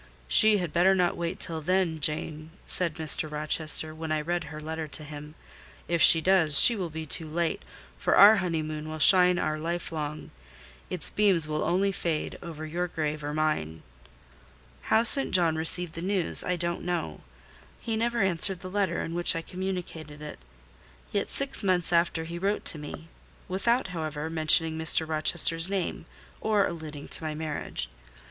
"She had better not wait till then, Jane," said Mr. Rochester, when I read her letter to him; "if she does, she will be too late, for our honeymoon will shine our life long: its beams will only fade over your grave or mine." How St. John received the news, I don't know: he never answered the letter in which I communicated it: yet six months after he wrote to me, without, however, mentioning Mr. Rochester's name or alluding to my marriage.